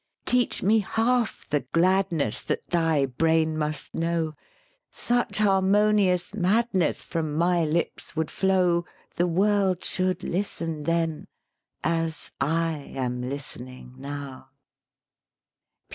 "Teach me half the gladness That thy brain must know, Such harmonious madness From my lips would flow, The world should listen then, as I am listening now!"